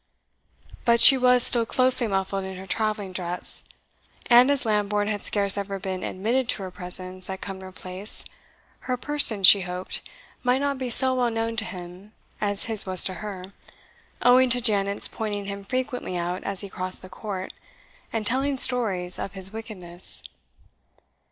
But she was still closely muffled in her travelling dress, and as Lambourne had scarce ever been admitted to her presence at Cumnor Place, her person, she hoped, might not be so well known to him as his was to her, owing to Janet's pointing him frequently out as he crossed the court, and telling stories of his wickedness.